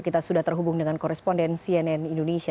kita sudah terhubung dengan koresponden cnn indonesia